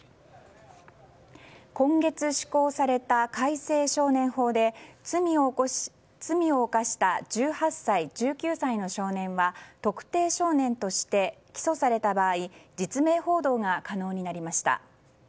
今月施行された改正少年法で罪を犯した１８歳・１９歳の少年は特定少年として起訴された場合実名報道が可能となりました。